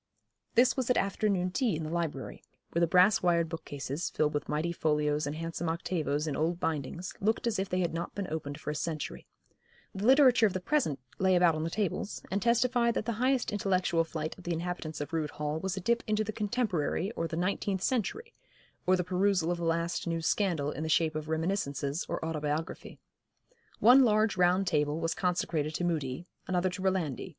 This was at afternoon tea in the library, where the brass wired bookcases, filled with mighty folios and handsome octavos in old bindings, looked as if they had not been opened for a century. The literature of past ages furnished the room, and made a delightful background. The literature of the present lay about on the tables, and testified that the highest intellectual flight of the inhabitants of Rood Hall was a dip into the Contemporary or the Nineteenth Century, or the perusal of the last new scandal in the shape of Reminiscences or Autobiography. One large round table was consecrated to Mudie, another to Rolandi.